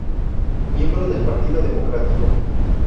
Miembro del Partido Democrático.